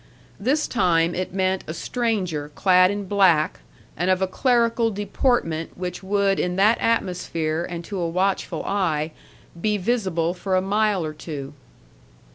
This time it meant a stranger clad in black, and of a clerical deportment which would in that atmosphere and to a watchful eye be visible for a mile or two.